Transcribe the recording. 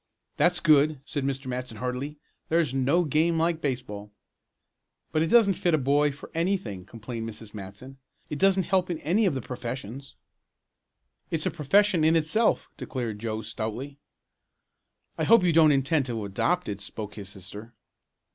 "That's good," said Mr. Matson heartily. "There's no game like baseball." "But it doesn't fit a boy for anything," complained Mrs. Matson. "It doesn't help in any of the professions." "It's a profession in itself!" declared Joe stoutly. "I hope you don't intend to adopt it," spoke his sister.